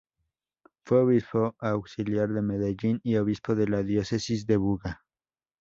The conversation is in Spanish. Fue obispo auxiliar de Medellín, y obispo de la diócesis de Buga.